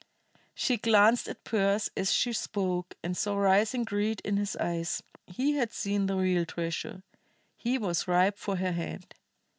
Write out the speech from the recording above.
She glanced at Pearse as she spoke, and saw rising greed in his eyes. He had seen the real treasure; he was ripe for her hand.